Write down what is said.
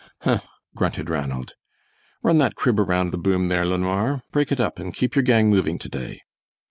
"Huh," grunted Ranald. "Run that crib around the boom there LeNoir; break it up and keep your gang moving to day!"